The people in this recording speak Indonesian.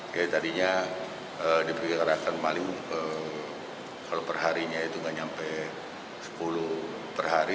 jadi tadinya diberikan rakan maling kalau perharinya itu tidak sampai sepuluh perhari